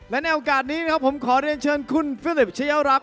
และในโอกาสนี้ผมขอเรียนเชิญคุณฟิลิปเชี่ยวรักษ์